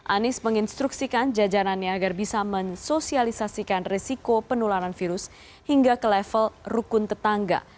anies menginstruksikan jajarannya agar bisa mensosialisasikan risiko penularan virus hingga ke level rukun tetangga